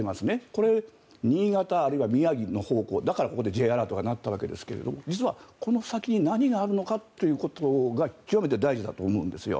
これ、新潟あるいは宮城の方向だからここでＪアラートが鳴ったわけですが実はこの先に何があるのかということが極めて大事だと思うんですよ。